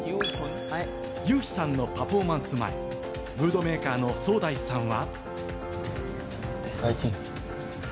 ユウヒさんのパフォーマンス、ムードメーカーのソウダイさんは。